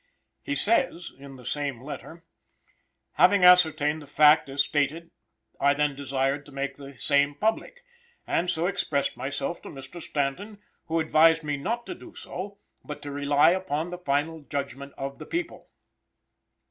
He says: (in the same letter) "Having ascertained the fact as stated, I then desired to make the same public, and so expressed myself to Mr. Stanton, who advised me not to do so, but to rely upon the final judgment of the people."